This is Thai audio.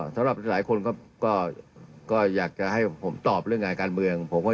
สำหรับหลายคนก็อยากจะให้ผมตอบเรื่องงานการเมือง